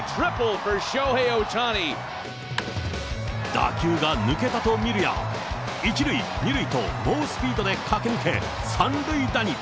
打球が抜けたと見るや、１塁、２塁と猛スピードで駆けぬけ、３塁打に。